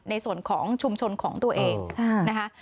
ในส่วนของชุมชนของตัวเองนะคะ